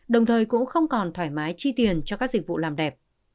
đồng thời cũng không còn thoải mái chi tiền cho các dịch vụ làm đẹp